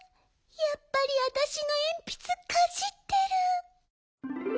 やっぱりわたしのえんぴつかじってる。